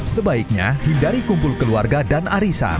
sebaiknya hindari kumpul keluarga dan arisan